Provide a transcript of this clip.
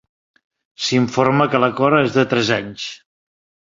S'informa que l'acord és de tres anys.